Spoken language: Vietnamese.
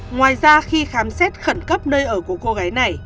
ngoài ra khi khám xét khẩn cấp nơi ở của cô gái này